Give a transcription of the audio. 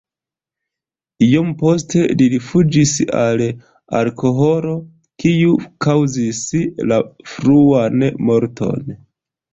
Iom poste li rifuĝis al alkoholo, kiu kaŭzis la fruan morton.